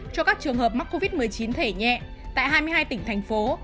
cho các trường hợp mắc covid một mươi chín thể nhẹ tại hai mươi hai tỉnh thành phố